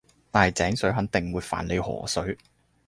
但係井水肯定會犯你河水